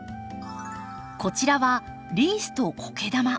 こちらはリースとコケ玉。